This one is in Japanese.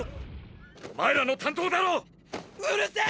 お前らの担当だろ⁉うるせぇ！！